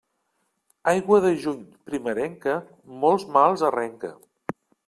Aigua de juny primerenca, molts mals arrenca.